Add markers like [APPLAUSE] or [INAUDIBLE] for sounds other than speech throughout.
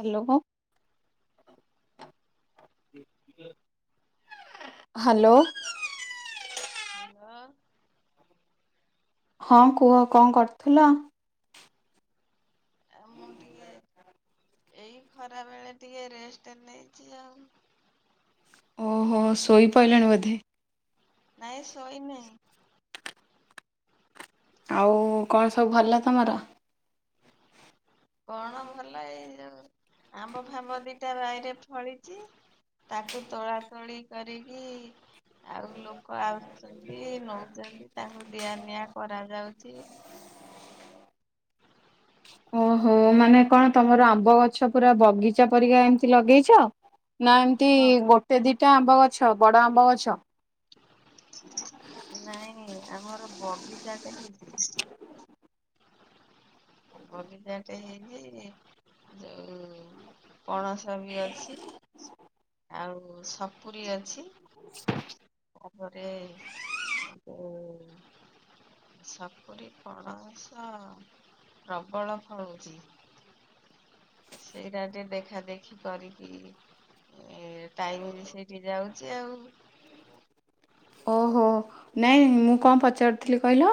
Hello. [UNINTELLIGIBLE] Hello. Hello. ହଁ କୁହ କଣ କରୁଥିଲ? ଏ ମୁଁ ଟିକେ ଏଇ ଖରାବେଳେ ଟିକେ ରେଷ୍ଟେ ନେଇଚି ଆଉ। ଓହୋ ଶୋଇପଇଲେଣି ବୋଧେ ନାଇଁ ଶୋଇ ନେଇଁ ଆଉ କଣ ସବୁ ଭଲ ତମର? କଣମ ଭଲ ଏଇ ଯୋଉଁ ଆମ୍ବ, ଫାମ୍ବ ଦିଟା ବାଢିରେ ଫଳିଚି। ତାକୁ ତୋଳା ତୋଳି କରିକି, ଆଉ ଲୋକ ଆଉ ସେମିତି ନଉଚନ୍ତି ତାଙ୍କୁ ଦିଆ ନିିଆ କରାଯାଉଚି [INAUDIBLE] ଓହୋ ମାନେ କଣ ତମର ଆମ୍ବଗଛ ପୁରା ବଗିଚା ପରିକା ଏମତି ଲଗେଇଛ? ନା ଏମତି ହଁ ଗୋଟେ ଦିଟା ଆମ୍ବଗଛ ବଡ ଆମ୍ବଗଛ? ନାଇଁ, ନାଇଁ ଆମର ବଗିଚାଟେ ହେଇଚି। ବଗିଚାଟେ ହେଇଚି ଯୋଉ ପଣସ ବି ଅଛି। ଆଉ ସପୁରୀ ଅଛି। ଅପରେ ଉ ଯୋଉ [UNINTELLIGIBLE] ସପୁରୀ ପଣସ ପ୍ରବଳ ଫଳୁଚି। ସେଇ ରାଡେ ଦେଖା ଦେଖି କରିକି ଏଁ ଟାଇମି ବି ସେଇଠି ଯାଉଚି ଆଉ। ଓ, ହୋ ନାଇଁ ମୁଁ କଣ ପଚାରୁଥିଲି କହିଲ?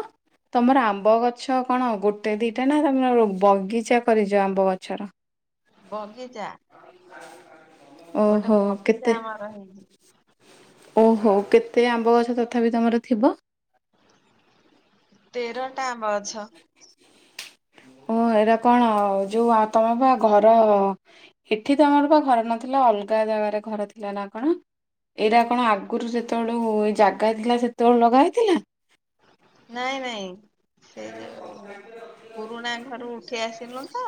ତମର ଆମ୍ବଗଛ କଣ ଗୋଟେ, ଦିଟା ନା ତମର ବଗିଚା କରିଚ ଆମ୍ବଗଛର। ବଗିଚା ଗୋଟେ ଓହୋ ବଗିଚା ଆମର ହେଇଚି। ଓ ହୋ କେତେ ଆମ୍ବ ଗଛ ତଥାପି ତୁମର ଥିବ? ତେରଟା ଆମ୍ବ ଗଛ। ଓ ଏରା କଣ ଯୋଉ ତମେପା ପା ଘର ଏଠି ତମର ପା ଘର ନଥିଲା, ଅଲଗା ଜାଗାରେ ଘର ଥିଲା ନା କଣ? ଏଇଟା କଣ ଆଗରୁ ଯେତେବେଳୁ ଜାଗା ଥିଲା ସେତେବେଳୁ ଲଗା ହେଇଥିଲା। ନାଇଁ, ନାଇଁ। ସେ ଯୋଉ ପୁରୁଣା ଘରୁ ଉଠି ଆସିଲୁ ତ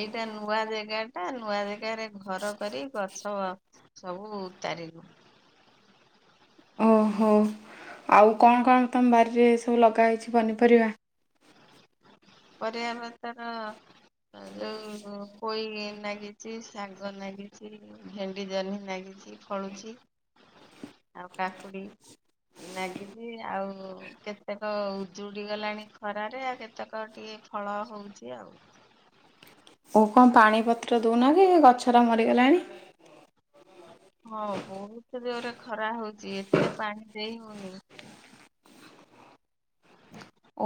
ଏଇଟା ନୂଆ ଜେଗା ଟା ନୂଆ ଜାଗାରେ ଘର କରି ଗଛ ସବୁ ତାରିଲୁ ଓ ହୋ ଆଉ କଣ କଣ ତମ ବାରିରେ ସବୁ ଲଗା ହେଇଛି ପନିପରିବା? [INAUDIBLE] ପରିବା ପତର ଆ ଯୋଉ ପୋଇ ଲାଗିଚି ଶାଗ ଲାଗିଚି। ଭେଣ୍ଡି, ଜହ୍ନି ଲାଗିଚି ଫଳୁଚି ଆଉ କାକୁଡି ନାଗଚି ଆଉ କେତେକ ଉଜୁଡି ଗଲାଣି। ଖରାରେ ଆ କେତେକ ଟିକେ ଫଳ ହଉଚି ଆଉ। ଓଉ କଣ ପାଣିପତ୍ର ଦେଉ ନକି ଗଛରା ମରିଗଲାଣି। ହଁ ବହୁତ ଜୋରେ ଖରା ହଉଚି, ଏତେ ପାଣି ଦେଇ ହଉନି।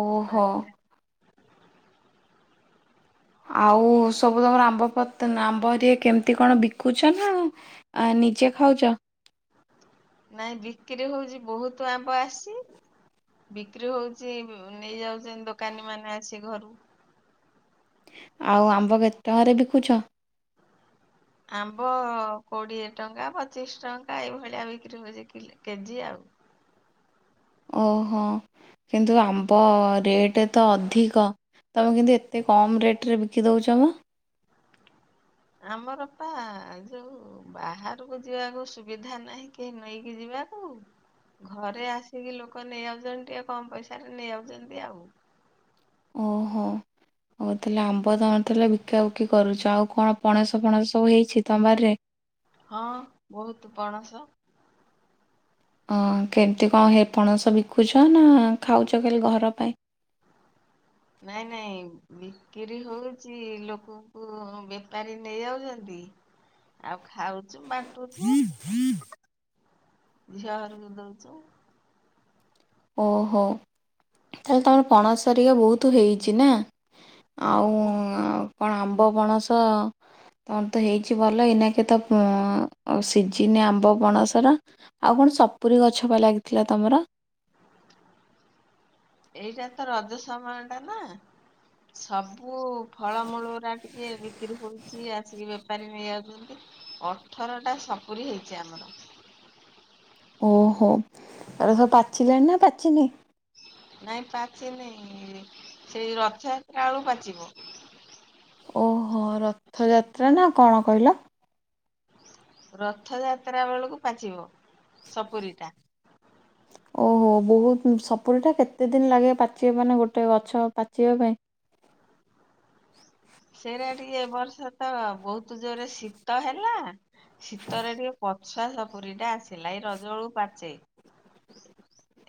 ଓହୋ। ପାଣିଟା ଆଉ ସବୁ ତମର ଆମ୍ବ ପତ ନା ଆମ୍ବ ଏଠି କେମିତି କଣ ବିକୁଛ ନା? ଆ ନିଜେ ଖାଉଚ। ନାଇଁ ବିକ୍ରି ହଉଛି ବହୁତ ଆମ୍ବ ଆସିଛି। ବିକ୍ରି ହଉଛି ନେଇଯାଉଛନ୍ତି ଦୋକାନୀ ମାନେ ଆସିକି ଘରୁ। ଆଉ ଆମ୍ବ କେତେ ଟଙ୍କାରେ ବିକୁଛ? ଆମ୍ବ କୋଡିଏ ଟଙ୍କା, ପଚିଶ୍ ଟଙ୍କା ଏଇଭଳିଆ ବିକ୍ରି ହଉଛି କେଜି ଆଉ। ଓହୋ କିନ୍ତୁ ଆମ୍ବ ରେଟ୍ ତ ଅଧିକ। ତୁମେ କେମିତି ଏତେ କମ୍ ରେଟରେ ବିକି ଦେଉଛ ମ। ଆମର ପା ଯୋଉ ବାହାରକୁ ଯିବାକୁ ସୁବିଧା ନାହିଁ। କେହି ନେଇକି ଯିବା। କୁ ଘରେ ଆସିକି ଲୋକ ନେଇ ଯାଉଛନ୍ତି ଟିକେ କମ୍ ପଇସାରେ ନେଇ ଯାଉଛନ୍ତି ଆଉ। ଓହୋ। ହଉ ତାହେଲେ ଆମ୍ବ ତମେ ଲେ ବିକା ବିକି କରୁଚ ଆଉ କଣ ପଣସ ଫଣସ ସବୁ ହେଇଛି ତମ ବାଡି ରେ। ହଁ ବହୁତ୍ ପଣସ। ହଁ କେମିତି କଣ ହେପଣସ ବିକୁଛ ନାଁ ଖାଉଛ ଖାଲି ଘର ପାଇଁ? ନାଇଁ ନାଇଁ ବିକ୍ରି ହଉଚି ଲୋକଙ୍କୁ ବେପାରୀ ନେଇଯାଉଚନ୍ତି। ଆଉ ଖାଉଛୁ ବାଣ୍ଟୁଛୁ ଝିଅ ଘରକୁ ଦଉଚୁ। ଓହୋ ତାହେଲେ ତମର ପଣସହେରିକା ବହୁତ୍ ହେଇଛି ନାଁ? ଆଉ ମୁଁ ଆ କଣ ଆମ୍ବ ପଣସ ଅନ୍ତ ତ ହେଇଛି ଭଲ ଏଇନାକେ ତ ସିଝିନି ଆମ୍ବ ପଣସର। ଆଉ କଣ ସପୁରୀ ଗଛ ଲାଗିଥିଲା ତମର? ଏଇଟା ତ ରଜ ସମୟ ଟା ନାଁ। ସବୁ ଫଳମୂଳ ଓରା ଟିକେ ବିକ୍ରି ହଉଚି ଆସିକି ବେପାରୀ ନେଇଯାଉଛନ୍ତି। ଅଠର ଟା ସପୁରୀ ହେଇଚି ଆମର। ଓହୋ ଆ ସବୁ ପାଚିଲାଣି ନାଁ ପାଚିନି? ନାଇଁ ପାଚିନି ସେଇ ରଥଯାତ୍ରା ବେଳୁ ପାଚିବ। ଓହୋ ରଥଯାତ୍ରା ନାଁ କଣ କହିଲ? ରଥଯାତ୍ରା ବେଳକୁ ପାଚିବ ସପୁରୀଟା। [INAUDIBLE] ଓହୋ ବହୁତ୍ ସପୁୁରୀଟା କେତେ ଦିନ ଲାଗେ ପାଚିବା ମାନେ ଗୋଟେ ଗଛ ପାଚିବା ପାଇଁ? ସେଟା ଟିକେ ବର୍ଷା ତ ବହୁତ୍ ଜୋରରେ ଶୀତ ହେଲା ଶୀତରେ ଟିକେ ପଛୁଆ ସପୁରୀ ଟା ଆସିଲା ଏଇ ରଜ ବେଳକୁ ପାଚେ।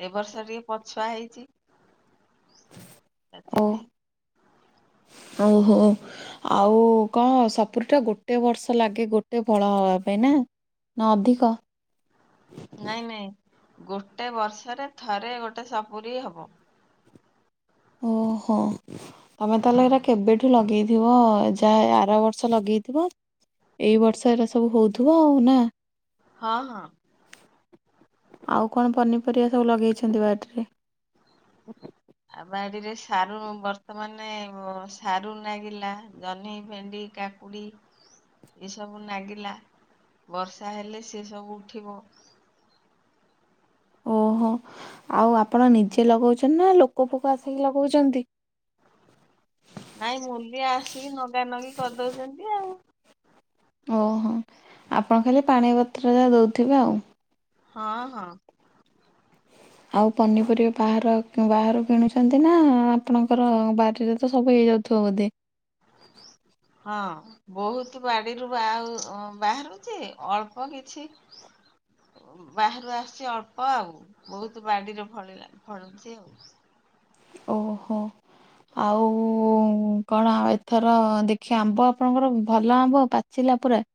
ଏ ବର୍ଷ ଟିକେ ପଛୁଆ ହେଇଛି ଓ ସେଥିପାଇଁ। ଓହୋ। ଆଉ କଣ ସପୁୁରି ଟା ଗୋଟେ ବର୍ଷ ଲାଗେ ଗୋଟେ ଫଳ ହବା ପାଇଁ ନାଁ। ନାଇଁ ନାଇଁ। ଗୋଟେ ବର୍ଷରେ ଥରେ ଗୋଟେ ସପୁରୀ ହବ। ଓହୋ ତମେ ତାହେଲେ ଏଇରା କେବେଠୁ ଠୁ ଲଗେଇଥିବ ଯାହା ଆର ବର୍ଷ ଲଗେଇଥିବ। ଏଇ ବର୍ଷ ଏରା ସବୁ ହଉଥିବ ଆଉ ନାଁ। ହଁ ହଁ। ଆଉ କଣ ପନିପରିବା ସବୁ ଲଗେଇଛନ୍ତି ବାଡିରେ। ଆ ବାଡିରେ ସାରୁ ବର୍ତ୍ତମାନେ ସାରୁ ଲାଗିଲା ଜହ୍ନି ଭେଣ୍ଡି କା। କାକୁଡ଼ି ଏସବୁ ନାଗିଲା ବର୍ଷା ହେଲେ ସେ ସବୁ ଉଠିବ। ଓହୋ ଆଉ ଆପଣ ନିଜେ ଲଗଉଚନ୍ତି ନାଁ ଲୋକ ଫୋକ ଆସିକି ଲଗଉଚନ୍ତି। ନାଇଁ ମୁଲିଆ ଆସିକି ନଗା ନଗି କରିଦଉଚନ୍ତି ଆଉ। ଓହୋ ଆପଣ ଖାଲି ପାଣିପତ୍ରଟା ଦେଉଥିବେ ଆଉ। ହଁ ହଁ। ଆଉ ପନିପରିବା ବାହାର ବାହାରୁ କିଣୁଚନ୍ତି ନାଁ ଆପଣଙ୍କର ବାରିରେ ତ ସବୁ ହେଇଯାଉ ତୋ ବୋଦେ। [INAUDIBLE] ହଁ। ବହୁତ୍ ବାଡିରୁ ବା ଉଁ ବାହାରୁଛି ଅଳ୍ପ କିଛି ବାହାରୁ ଆସୁଛି ଅଳ୍ପ ଆଉ ବହୁତ୍ ବାଡିରେ ଫଳିଲା ଫଳୁଛି ଆଉ। ଓହୋ। ଆଉ କଣ ଏଥର ଦେଖିବା ଆମ୍ବ ଆପଣଙ୍କର ଭଲ ଆମ୍ବ ପା ପାଚିଲା ପୁରା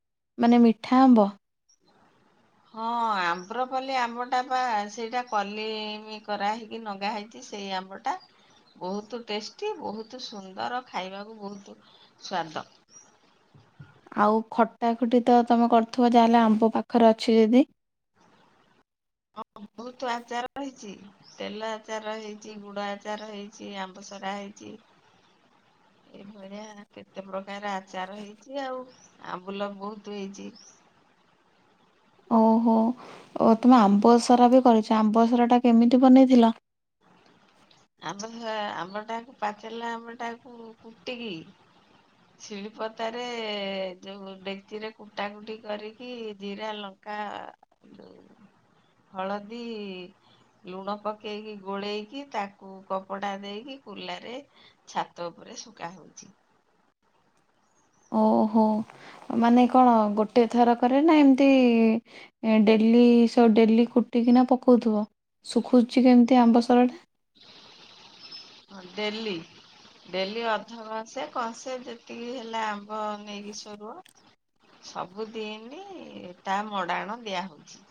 ମାନେ ମିଠା ଆମ୍ବ? [INAUDIBLE] ହଁ ଆମରପଲି ଆମ୍ବଟା ବା ସେଇଟା କଲିମି କରାହେଇକି ନଗା ହେଇଛି। ସେଇ ଆମ୍ବଟା ବହୁତ ଟେଷ୍ଟି ବହୁତ ସୁନ୍ଦର ଖାଇବାକୁ ବହୁତ ସ୍ୱାଦ। ଆଉ ଖଟା ଖଟି ତ ତମେ କରୁଥିବ ଯାହାହେଲେ ଆମ୍ବ ପାଖରେ ଅଛି ଯଦି। [INAUDIBLE] ହଁ ବହୁତ ଆଚାର ହେଇଛି। ତେଲ ଆଚାର ହେଇଛି, ଗୁଡ଼ ଆଚାର ହେଇଛି, ଆମ୍ବସରା ହେଇଛି। ଏଇଭଳିଆ କେତେ ପ୍ରକାର ଆଚାର ହେଇଛି ଆଉ। ଆମ୍ଭୁଲ ବହୁତ ହେଇଛି। ଓହୋ ଓ ତୁମେ ଆମ୍ବସାରା ବି କରିଛ ଆମ୍ବସାରା ଟା କେମିତି ବନେଇଥିଲ? [INAUDIBLE] ଆମ୍ଭସରା ଆମ୍ବ ଟାକୁ ପାଚିଲା ଆମ୍ବ ଟାକୁ କୁଟିକି। ଶିଳୁପତରେ ଯୋଉ ଡେକିଚିରେ କୁଟା କୁଟି କରିକି ଜିରା ଲ କା ଯୋଉ ହଳଦୀ ଲୁଣ ପକେଇକି ଗୋଳେଇକି ତାକୁ କପଡ଼ା ଦେଇକି କୁଲାରେ ଛାତ ଉପରେ ଶୁଖା ହଉଛି। ଓହୋ ମାନେ କଣ ଗୋଟେ ଥର କରେ ନା ଏମିତି ଏ ଡେଲି ଡେଲି କୁଟିକିନା ପକଉଥିବ ଶୁଖୁଛି କେମିତି ଆମ୍ବ ସରା ଟା? ଡେଲି ଡେଲି ଅଧକଂସେ କଂସେ ଯେତିକି ହେଲା ଆମ୍ବ ମ୍ବ ନେଇକି ସୋରୁଅ ସବୁଦିନ ତା ମଡାଣ ଦିଆହଉଛି।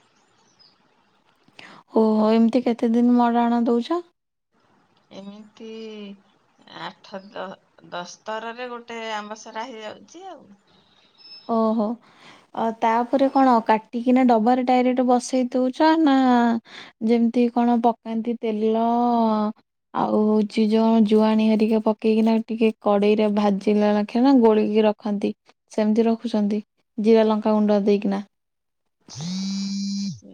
ଓ ହୋ ଏମିତି କେତେଦିନ ମଡ଼ାଣା ଦଉଛ? ଏମିତି ଆଠ ଦ ଦଶଥରରେ ଗୋଟେ ଆମ୍ବସରା ହେଇଯାଉଛି ଆଉ। ଓହୋ। ଅ ତାପରେ କଣ କାଟିକିନା ଡବାରେ ଡାଇରେକ୍ଟ ବସେଇ ଦଉଛ ନା ଯେମିତି କଣ ପକାନ୍ତି ତେଲ ଆଉ ହଉଛି ଯୋଉ ଜୁଆଣ ହେରିକେ ପକେଇକିନା ଟିକେ କଡେଇରେ ଭାଜିଲା ଲାଖେ ନା ଗୋଳେଇକି ରଖ ଖନ୍ତି ସେମିତି ରଖୁଛନ୍ତି ଜିରା ଲଙ୍କା ଗୁଣ୍ଡ ଦେଇକିନା।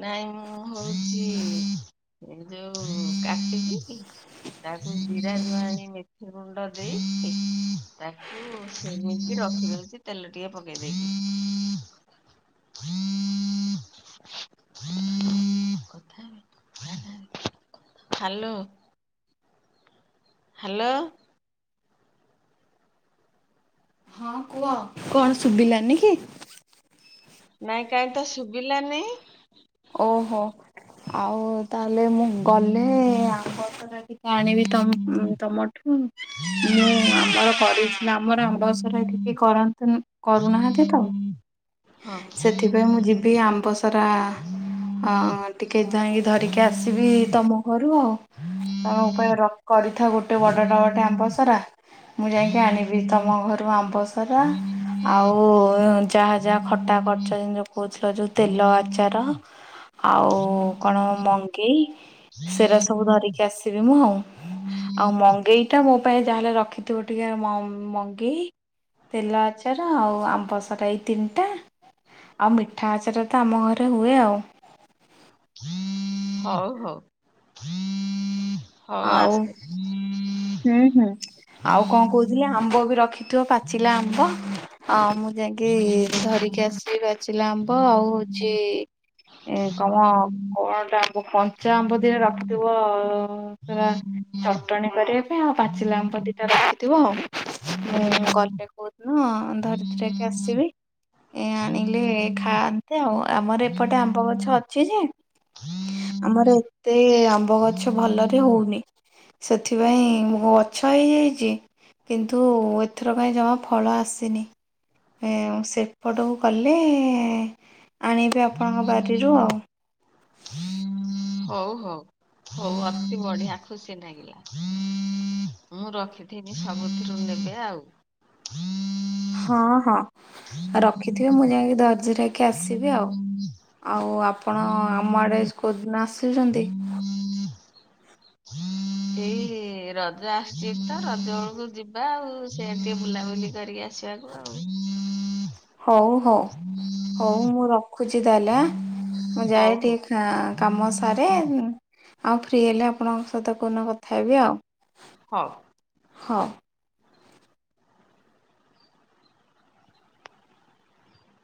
ନାଇଁ ମୁଁ ହଉଛି ଏ ଯୋଉ କାଟିବ କି ତାକୁ ଜିରା ଜୁଆଳି ମେଥି ଗୁଣ୍ଡ ଦେଇ ତାକୁ ସେମିତି ରଖିଦଇଛି। ତେଲ ଟିକେ ପକେଇ ଦେଇକି। [UNINTELLIGIBLE] ହାଲୋ। ହ୍ୟାଲୋ। ହଁ କୁହ କଣ ଶୁଭିଲାନି କି? ନାଇଁ କାହିଁ ତ ଶୁଭିଲାନି? ଓହୋ ଆଉ ତାହେଲେ ମୁଁ ଗଲେ [UNINTELLIGIBLE] ଟିକେ ଆଣିବି ତମଠୁ। ମୁଁ ଆମର କରିଚି ଆମର ଆମ୍ବସର ଟିକେ କରନ୍ତୁ କରୁନାହାନ୍ତି ତ। ହଁ ସେଥିପାଇଁ ମୁଁ ଯିବି ଆମ୍ବସରା ହଁ ଟିକେ ଯାଇକି ଧରିକି ଆସିବି ତମ ଘରୁ ଆଉ। ତମ ଉପ କରିଥା ଗୋଟେ ବଡଟା ବଟେ ଆମ୍ବ ସାରା। ମୁଁ ଯାଇକି ଆଣିବି, ତମ ଘରୁ ଆମ୍ବ ସରା। ଆଉ ଯାହା ଯାହା ଖଟା କ ଜିନ କହୁଥିଲ ଯୋଉ ତେଲ ଆଚାର ଆଉ କଣ ମଙ୍ଗେଇ, ସେରା ସବୁ ଧରିକି ଆସିବି ମୁଁ। ଆଉ ମଙ୍ଗେଇ ଟା ମୋ ପାଇଁ ଯାହାହେଲେ ରଖିଥିବ ଟିକେ ମମ ମଙ୍ଗେଇ। ତେଲ ଆଚାର ଆଉ ଆମ୍ବ ସଟା ଏଇ ତିନିଟା। ଆଉ ମିଠା ଆଚାର ତ ଆମ ଘରେ ହୁଏ ଆଉ। ହଉ ହଉ। ହଉ ଆଉ ଆସ। ହୁଁ ହୁଁ। ଆଉ କଣ କହୁଥିଲେ ଆମ୍ବ ବି ରଖି ଠ ପାଚିଲା ଆମ୍ବ ଆ ମୁଁ ଯାଇକି ଧରିକି ଆସିବି ଚିଲା ଆମ୍ବ ଆଉ ଛି କଣ କଣଟା କଞ୍ଚା ଆମ୍ବ ଦୀଟା ରଖିଥିବ। ପୁରା ଚଟଣି କରିବା ପାଇଁ ଆଉ ପାଚିଲା ଆମ୍ବ ଦିଟା ରଖିଥିବ ଆଉ। ମୁ ମୁଁ ଗଲେ କଉଦିନ ଧରିକି ଆସିବି। ଏ ଆଣିଲେ ଖାଆ ଏ ଆଉ ଆମର ଏପଟେ ଆମ୍ବ ଗଛ ଅଛି ଯେ, ଆମର ଏତେ ଆମ୍ବ ଗଛ ଭଲରେ ହଉନି। ସେଥିପାଇଁ ଗଛ ହେଇଯାଇଛି କିନ୍ତୁ ଏଥର କାଇଁ ଜମା ଫଳ ଆସିନି। ସେପଟକୁ କଲେ ଆଣିବି ଆପଣଙ୍କ ବାରିରୁ ଆଉ। ହଉ ହଉ। ହଉ ଅତି ବଢିଆ ଖୁସି ଲାଗିଲା। ମୁଁ ରଖିଥିନି ସବୁଥିରୁ ନେବେ ଆଉ। ହଁ ହଁ। ରଖିଥିବେ ମୁଁ ଯାଇକି ଧର୍ଯ୍ୟରେକି ଆସିବି ଆଉ। ଆଉ ଆପଣ ଆମ ଆଡେ କୋଉଦିନ ଆସୁଛନ୍ତି? ଏଇ ରଜ ଆସୁଛି ତ, ରଜ ବେଳକୁ ଯିବା ଆଉ। ସେ ଟିକେ ବୁଲାବୁଲି କରିକି ଆସିବାକୁ ଆଉ। ହଉ ହଉ। ହଉ ଖୋଜିତାହେ ଲେ। ମୁଁ ଯାଏ ହଉ ଟିକେ କାମ ସାରେ ଆଉ ଫ୍ରି ହେଲେ ଆପଣଙ୍କ ସହିତ କହୁନ କଥା ହେବି ଆଉ। ହଉ। ହଉ।